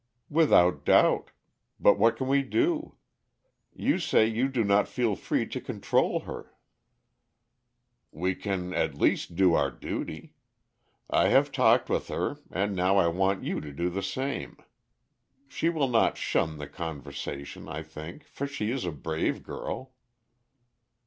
"Without doubt. But what can we do? You say you do not feel free to control her." "We can at least do our duty. I have talked with her, and now I want you to do the same. She will not shun the conversation, I think, for she is a brave girl."